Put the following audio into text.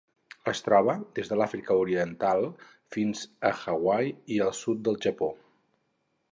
Es troba des de l'Àfrica Oriental fins a Hawaii i el sud del Japó.